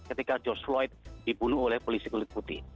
ketika george floyd dibunuh oleh polisi kulit putih